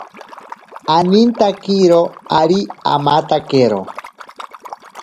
Anintakiro ari amatakero.